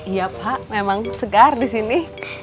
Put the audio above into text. iya pak memang segar disini